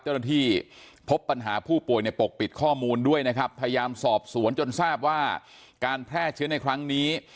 เจ้าหน้าที่พบปัญหาผู้ป่วยในปกปิดข้อมูลด้วยนะครับพยายามสอบสวนจนทราบว่าการแพร่เชื้อในครั้งนี้